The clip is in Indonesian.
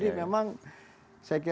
tapi tetap juga orang tidak mau